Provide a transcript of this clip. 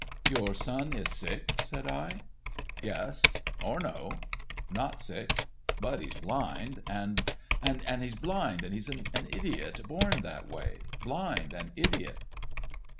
"Your son is sick?" said I. "Yes—or no—not sick; but he's blind, and—and—he's blind and he's an idiot—born that way—blind and idiot."